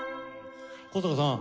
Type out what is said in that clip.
古坂さん